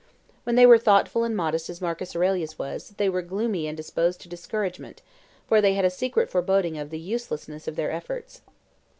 When they were thoughtful and modest as Marcus Aurelius was, they were gloomy and disposed to discouragement, for they had a secret foreboding of the uselessness of their efforts.